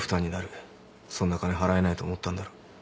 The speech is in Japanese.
そんな金払えないと思ったんだろ。